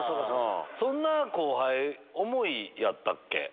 そんな後輩思いやったっけ？